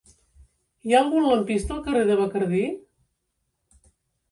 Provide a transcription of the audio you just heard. Hi ha algun lampista al carrer de Bacardí?